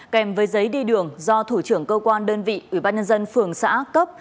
kèm với giấy đi đường do thủ trưởng cơ quan đơn vị ủy ban nhân dân phường xã cấp